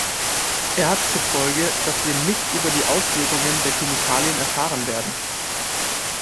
Er hat zur Folgen, dass wir nichts über die Auswirkungen der Chemikalien erfahren werden.